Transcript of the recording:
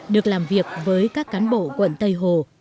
được làm việc với các cán bộ quận tây hồ